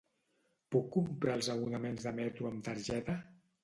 Puc comprar els abonaments de metro amb targeta?